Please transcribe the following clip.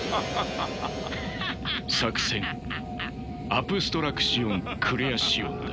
作戦アプストラクシオン・クレアシオンだ。